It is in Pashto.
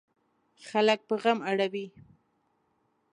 خلک په غم اړوي.